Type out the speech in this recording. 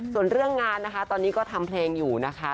ส่วนเรื่องงานนะคะตอนนี้ก็ทำเพลงอยู่นะคะ